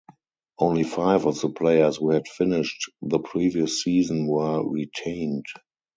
Only five of the players who had finished the previous season were retained.